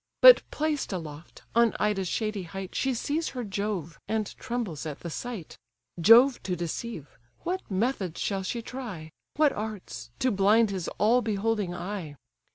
But placed aloft, on Ida's shady height She sees her Jove, and trembles at the sight. Jove to deceive, what methods shall she try, What arts, to blind his all beholding eye?